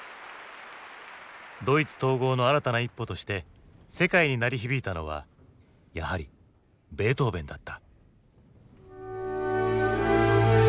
ドイツ統合の新たな一歩として世界に鳴り響いたのはやはりベートーヴェンだった。